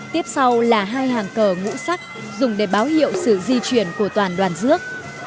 tiếp sau là hai hàng cờ ngũ sắc dùng để báo hiệu sự di chuyển của toàn đoàn rước